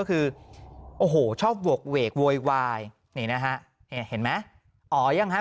คุณโกโฌคือคนนี้หลังไว้ผมยาวอะไร